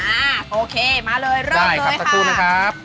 อ่าโอเคมาเลยเริ่มเลยค่ะได้ครับสักครู่นะครับ